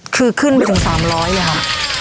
คือขึ้นไปถึง๓๐๐อย่างค่ะ